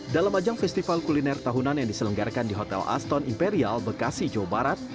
dalam ajang festival kuliner tahunan yang diselenggarakan di hotel aston imperial bekasi jawa barat